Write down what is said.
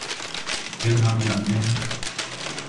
پھر ہم جانتے ہیں۔